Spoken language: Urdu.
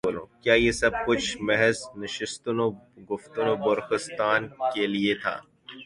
کیا یہ سب کچھ محض نشستن و گفتن و برخاستن کے لیے تھا؟